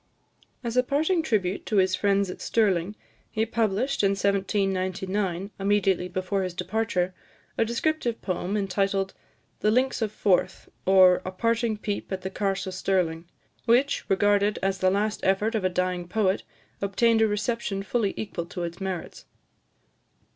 As a parting tribute to his friends at Stirling, he published, in 1799, immediately before his departure, a descriptive poem, entitled "The Links of Forth, or a Parting Peep at the Carse of Stirling," which, regarded as the last effort of a dying poet, obtained a reception fully equal to its merits.